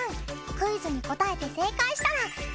クイズに答えて正解したら。